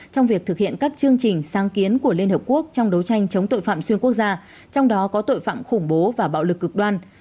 trong việc thực hiện các chương trình sáng kiến của liên hợp quốc trong đấu tranh chống tội phạm xuyên quốc gia trong đó có tội phạm khủng bố và bạo lực cực đoan